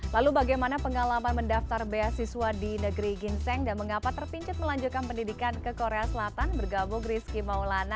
lalu bagaimana pengalaman mendaftar beasiswa di negeri ginseng dan mengapa terpincut melanjutkan pendidikan ke korea selatan bergabung rizky maulana